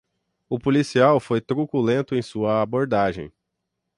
O policial foi truculento em sua abordagem